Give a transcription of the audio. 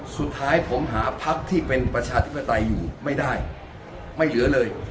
สุดท้ายผมหาพักที่เป็นประชาธิปไตยอยู่ไม่ได้ไม่เหลือเลย